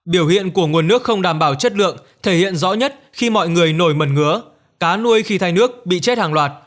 biểu hiện của nguồn nước không đảm bảo chất lượng thể hiện rõ nhất khi mọi người nổi mẩn ngứa cá nuôi khi thay nước bị chết hàng loạt